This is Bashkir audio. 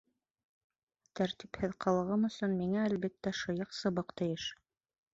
Тәртипһеҙ ҡылығым өсөн миңә, әлбиттә, шыйыҡ сыбыҡ тейеш.